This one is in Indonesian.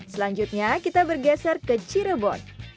selanjutnya kita bergeser ke cirebon